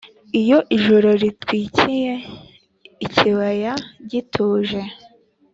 iyo ijoro ritwikiriye ikibaya gituje